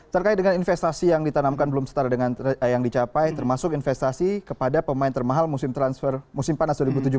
terkait dengan investasi yang ditanamkan belum setara dengan yang dicapai termasuk investasi kepada pemain termahal musim transfer musim panas dua ribu tujuh belas